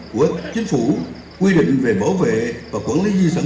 của chính phủ quy định về bảo vệ và quản lý di sản